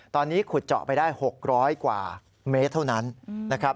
ตอนนี้ขุดเจาะไปได้๖๐๐กว่าเมตรเท่านั้นนะครับ